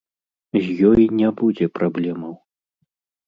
З ёй не будзе праблемаў.